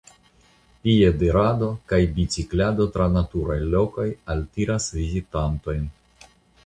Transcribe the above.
Piedirado kaj biciklado tra naturaj lokoj altiras vizitantojn.